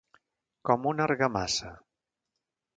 Com una argamassa.